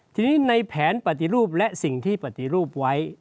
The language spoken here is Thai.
ทีนี้ในแผนปฏิรูปและสิ่งที่ปฏิรูปไว้